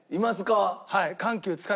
はい。